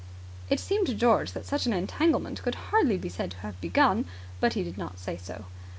It seemed to George that such an entanglement could hardly be said to have begun, but he did not say so.